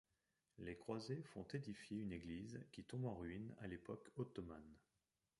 Les croisés font édifier une église, qui tombe en ruines à l'époque ottomane.